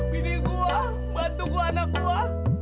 bini gua bantuan anak gua